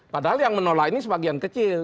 padahal yang menolak ini sebagian kecil